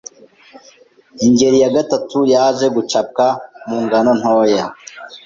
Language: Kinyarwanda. Ingeri ya gatatu, yaje gucapwa mu ngano ntoya